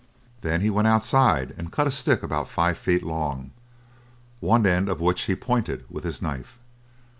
Then he went outside, and cut a stick about five feet long, one end of which he pointed with his knife.